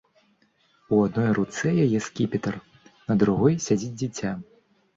У адной руцэ яе скіпетр, на другой сядзіць дзіця.